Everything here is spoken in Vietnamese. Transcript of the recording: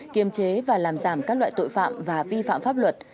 kiềm chế và làm giảm các loại tội phạm và vi phạm pháp luật